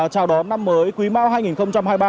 chào đón năm mới quý mau hai nghìn hai mươi ba